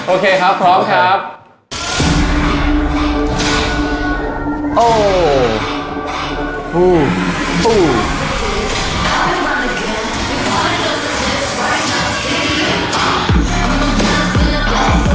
โอเคครับพร้อมครับ